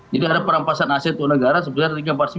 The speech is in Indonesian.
jadi perampasan aset itu negara sebesar tiga ratus empat puluh sembilan